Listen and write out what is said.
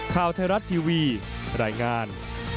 ข่าวไทยรัฐทีวีรายงาน